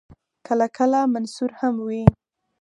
کله کله منثور هم وي.